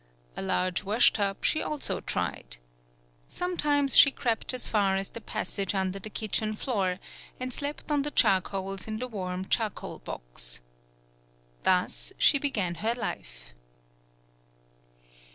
A large wash tub she also tried. Sometimes she crept as far as the passage under the kitchen floor, and slept on the charcoals in the warm charcoal box. Thus she began her life.